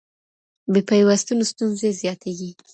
بې پيوستون ستونزې زياتېږي.